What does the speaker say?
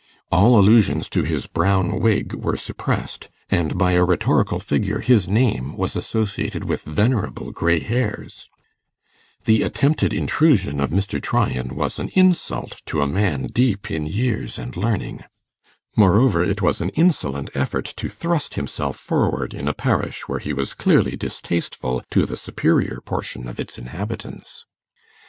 All allusions to his brown wig were suppressed, and by a rhetorical figure his name was associated with venerable grey hairs; the attempted intrusion of Mr. Tryan was an insult to a man deep in years and learning; moreover, it was an insolent effort to thrust himself forward in a parish where he was clearly distasteful to the superior portion of its inhabitants.